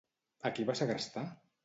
A qui va segrestar?